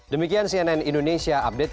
demikian cnn indonesia update